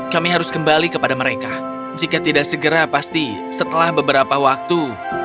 kami harus kembali kepada mereka jika tidak segera pasti setelah beberapa waktu